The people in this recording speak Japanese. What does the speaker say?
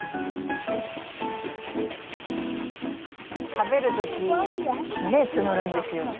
食べる時目をつむるんですよ。